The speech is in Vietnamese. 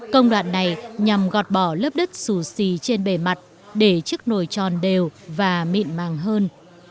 công đoạn này nhằm gọt bỏ lớp đất xù xì trên bề mặt để chiếc nồi tròn đều và mịn màng hơn